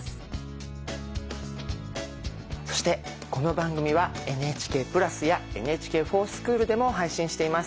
そしてこの番組はＮＨＫプラスやＮＨＫｆｏｒＳｃｈｏｏｌでも配信しています。